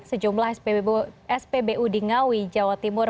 sejumlah spbu di ngawi jawa timur